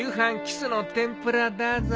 キスの天ぷらだぞ。